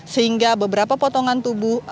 sehingga beberapa potongan tubuh